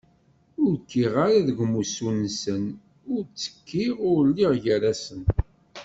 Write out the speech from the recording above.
Ur kkiɣ ara deg umussu-nsen, ur ttekkiɣ! Ur lliɣ gar-asen!